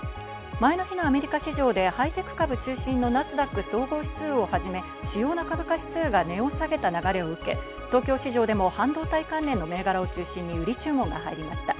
前の日のアメリカ市場でハイテク株中心のナスダック総合指数をはじめ、主要な株価指数が値を下げた流れを受け、東京市場でも半導体関連の銘柄を中心に売り注文が入りました。